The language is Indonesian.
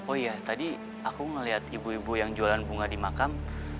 oh iya tadi aku melihat ibu ibu yang jualan bunga di makam